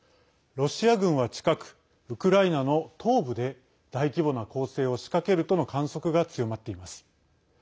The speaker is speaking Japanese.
ロシア軍は近くウクライナの東部で大規模な攻勢を仕掛けるとの観測が強まっています。